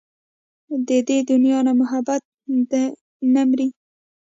د دې دنيا نه محبت دې نه مري